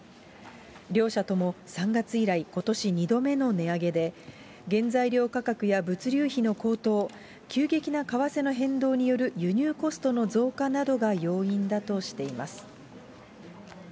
両社とも３月以来、ことし２度目の値上げで、原材料価格や物流費の高騰、急激な為替の変動による輸入コストの増加などが要因だとしています。